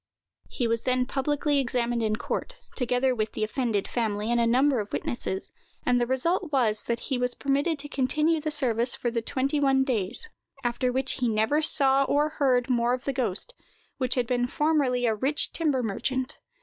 He was then publicly examined in court, together with the offended family and a number of witnesses; and the result was, that he was permitted to continue the service for the twenty one days, after which he never saw or heard more of the ghost, who had been formerly a rich timber merchant.